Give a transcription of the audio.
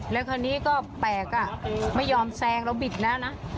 แล้วคันนี้ก็แปลกไม่ยอมแซงแล้วบิดนะ